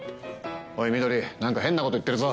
おい、翠何か変なこと言ってるぞ。